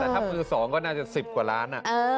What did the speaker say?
แต่ถ้ามือ๒ก็น่าจะ๑๐กว่าล้าน